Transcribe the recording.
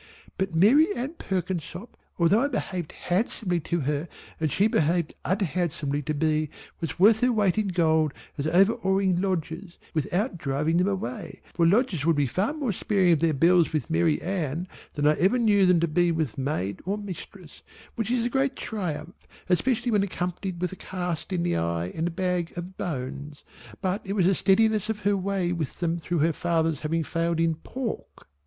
But Mary Anne Perkinsop although I behaved handsomely to her and she behaved unhandsomely to me was worth her weight in gold as overawing lodgers without driving them away, for lodgers would be far more sparing of their bells with Mary Anne than I ever knew them to be with Maid or Mistress, which is a great triumph especially when accompanied with a cast in the eye and a bag of bones, but it was the steadiness of her way with them through her father's having failed in Pork.